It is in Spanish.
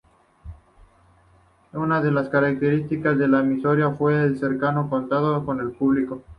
Una de las características de la emisora fue el cercano contacto con el público.